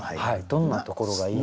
どんなところがいい？